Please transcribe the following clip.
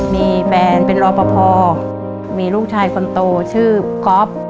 มีแฟนเป็นรอปภมีลูกชายคนโตชื่อก๊อฟ